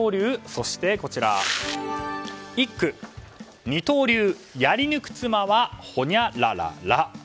そして、こちら、一句「二刀流やり抜く妻はほにゃららら」。